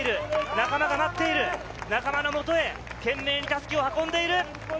仲間が待っている仲間のもとへ、懸命に襷を運んでいる。